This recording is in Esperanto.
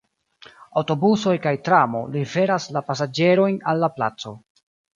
Aŭtobusoj kaj tramo liveras la pasaĝerojn al la placo.